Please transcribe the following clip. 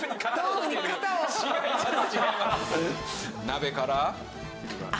鍋から？